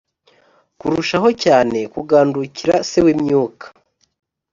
kurushaho cyane kugandukira Se w imyuka